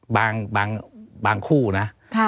บางคู่นะ